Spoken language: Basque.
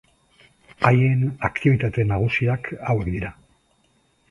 Haien aktibitate nagusiak hauek dira.